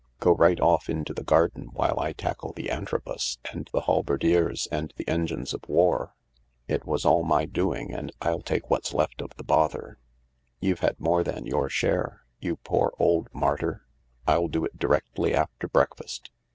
" Go right off into the garden while I tackle the Antrobus and the halberdiers and the engines of war. It was all my doing, and I'll take what's left of the bother. You've had more than your share, you poor old martyr. I'll do it directly after breakfast."